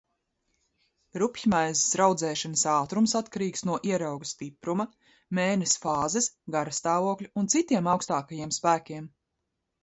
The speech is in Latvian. Rupjmaizes raudzēšanas ātrums atkarīgs no ierauga stipruma, mēness fāzes, garastāvokļa un citiem augstākajiem spēkiem.